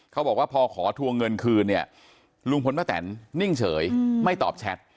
เขาบอกว่าพอขอทวงเงินคืนเนี่ยลุงพลป้าแตนนิ่งเฉยไม่ตอบแชท